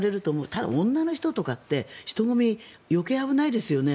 ただ、女の人とかって人混み、余計危ないですよね。